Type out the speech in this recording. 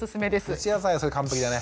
蒸し野菜はそれ完璧だね。